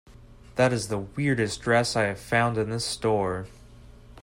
That is the weirdest dress I have found in this store.